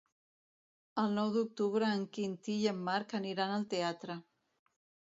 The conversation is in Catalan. El nou d'octubre en Quintí i en Marc aniran al teatre.